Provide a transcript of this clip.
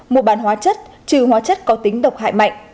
mua bán hóa chất trừ hóa chất có tính độc hại mạnh